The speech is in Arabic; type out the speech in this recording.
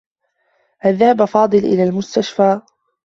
هل ذهب فاضل إلى المستشفى؟